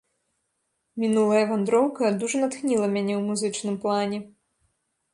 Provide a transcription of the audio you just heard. Мінулая вандроўка дужа натхніла мяне ў музычным плане.